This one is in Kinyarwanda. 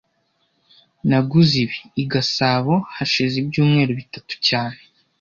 Naguze ibi i Gasabo hashize ibyumweru bitatu cyane